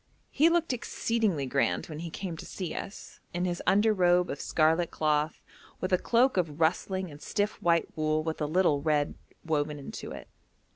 He looked exceedingly grand when he came to see us, in his under robe of scarlet cloth, with a cloak of rustling and stiff white wool with a little red woven in it.